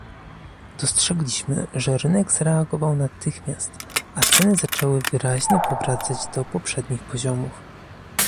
Dostrzegliśmy, że rynek zareagował natychmiast, a ceny zaczęły wyraźnie powracać do poprzednich poziomów